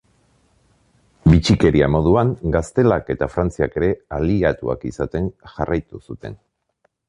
Bitxikeria moduan, Gaztelak eta Frantziak ere aliatuak izaten jarraitu zuten.